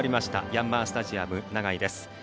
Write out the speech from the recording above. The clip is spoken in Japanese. ヤンマースタジアム長居です。